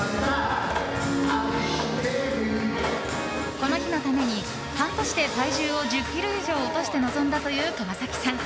この日のために半年で体重を１０ｋｇ以上落として臨んだという川崎さん。